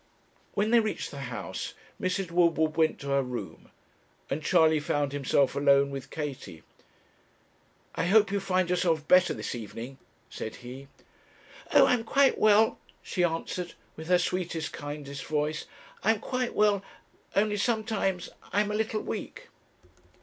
When they reached the house, Mrs. Woodward went to her room, and Charley found himself alone with Katie. 'I hope you find yourself better this evening,' said he. 'Oh, I am quite well,' she answered, with her sweetest, kindest voice; 'I am quite well, only sometimes I am a little weak.'